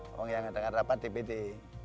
ngomong ya ngadakan rapat di pdi